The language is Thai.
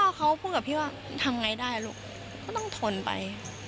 เขาพูดกับพี่ว่าทำไงได้ลูกก็ต้องทนไป